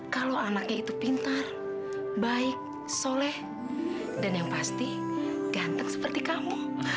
kalau anaknya itu pintar baik soleh dan yang pasti ganteng seperti kamu